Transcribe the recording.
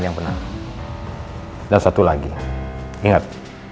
datang untuk bantuan illegal